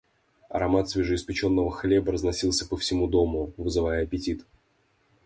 Аромат свежеиспеченного хлеба разносился по всему дому, вызывая аппетит.